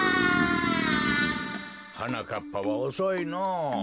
はなかっぱはおそいのぉ。